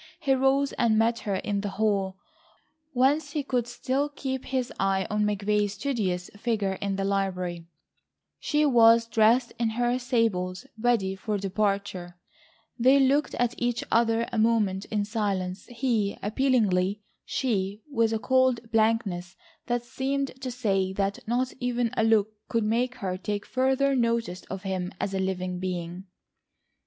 He rose and met her in the hall, whence he could still keep his eye on McVay's studious figure in the library. She was dressed in her sables ready for departure. [Illustration: She Was Dressed In His Sister's Sables—ready For Departure] They looked at each other a moment in silence, he appealingly, she, with a cold blankness that seemed to say that not even a look could make her take further notice of him as a living being.